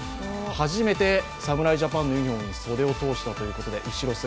初めて侍ジャパンのユニフォームに袖を通したということで後ろ姿、